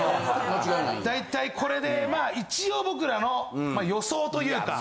大体これでまあ一応僕らのまあ予想というか。